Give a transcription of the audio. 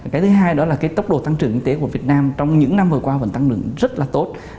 cái thứ hai đó là cái tốc độ tăng trưởng kinh tế của việt nam trong những năm vừa qua vẫn tăng lượng rất là tốt